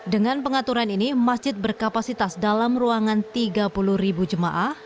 dengan pengaturan ini masjid berkapasitas dalam ruangan tiga puluh jemaah